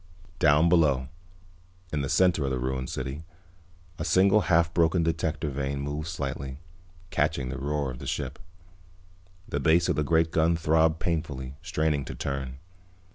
Down below, in the center of the ruined city, a single half broken detector vane moved slightly, catching the roar of the ship. The base of the great gun throbbed painfully, straining to turn.